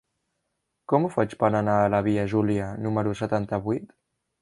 Com ho faig per anar a la via Júlia número setanta-vuit?